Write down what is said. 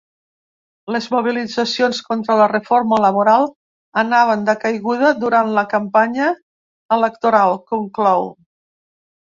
Les mobilitzacions contra la reforma laboral anaven de caiguda durant la campanya electoral, conclou.